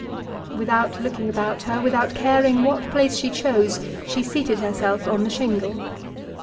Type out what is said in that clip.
Without looking about her, without caring what place she chose, she seated herself on the shingle.